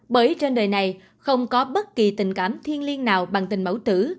bởi trên đời này không có bất kỳ tình cảm thiên liên nào bằng tình mẫu tử